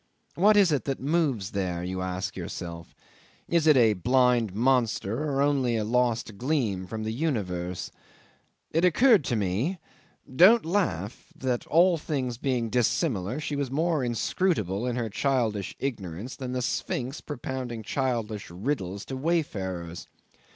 What is it that moves there? you ask yourself. Is it a blind monster or only a lost gleam from the universe? It occurred to me don't laugh that all things being dissimilar, she was more inscrutable in her childish ignorance than the Sphinx propounding childish riddles to wayfarers.